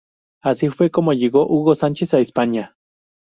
Así fue como llegó Hugo Sánchez a España.